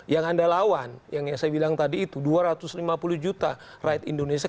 yang anda lawan yang saya bilang tadi itu dua ratus lima puluh juta rakyat indonesia